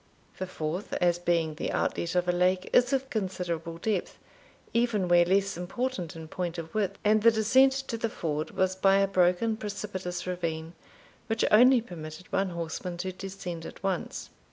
The Forth, as being the outlet of a lake, is of considerable depth, even where less important in point of width, and the descent to the ford was by a broken precipitous ravine, which only permitted one horseman to descend at once.